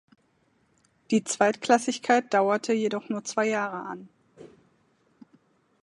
Die Zweitklassigkeit dauerte jedoch nur zwei Jahre an.